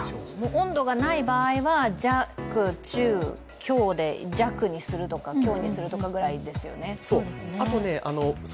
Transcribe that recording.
温度がない場合は、弱、中、強で弱にするとか強にするとかぐらいですよね。